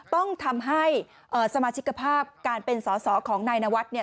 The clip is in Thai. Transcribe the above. ต้องทำให้สมาชิกภาพการเป็นสอสอของนายนวัฒน์เนี่ย